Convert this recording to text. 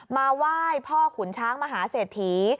มาไหว้พ่อขุนช้างมหาเศรษฐี